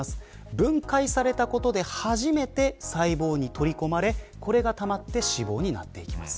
分解されたことで初めて細胞に取り込まれこれがたまって脂肪になります。